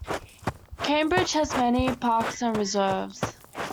Cambridge has many parks and reserves.